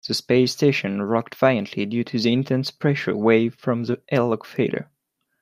The space station rocked violently due to the intense pressure wave from the airlock failure.